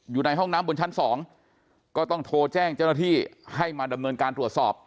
อยู่ในห้องน้ำบนชั้นสองก็ต้องโทรแจ้งเจ้าหน้าที่ให้มาดำเนินการตรวจสอบ